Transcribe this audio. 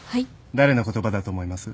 誰の言葉だと思います？